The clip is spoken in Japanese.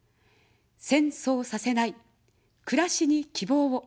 戦争させない、くらしに希望を。